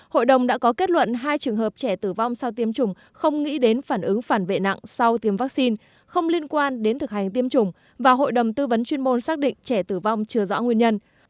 hội đồng đã có kết luận hai trường hợp trẻ tử vong sau tiêm chủng không nghĩ đến phản ứng phản vệ nặng sau tiêm vaccine không liên quan đến thực hành tiêm chủng và hội đồng tư vấn chuyên môn xác định trẻ tử vong chưa rõ nguyên nhân